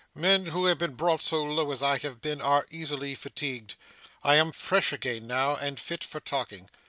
Men who have been brought so low as I have been, are easily fatigued. I am fresh again now, and fit for talking.